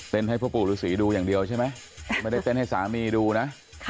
ให้พ่อปู่ฤษีดูอย่างเดียวใช่ไหมไม่ได้เต้นให้สามีดูนะ